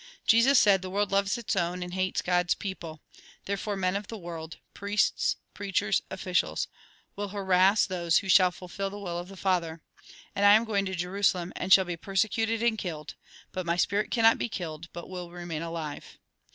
Jesus said :" The world loves its own, and hates God's people. Therefore men of the world —■ priests, preachers, officials — will harass those who shall fulfil the will of the Fatlier. And I am going to Jerusalem, and shall be persecuted and killed. But my spirit cannot bo killed, but will remain alive."